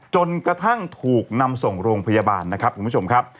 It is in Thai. จนกระทั่งถูกนำส่งโรงพยาบาลนะครับคุณผู้ชมครับ